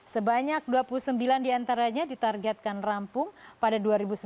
sebanyak dua puluh sembilan diantaranya ditargetkan rampung pada dua ribu sembilan belas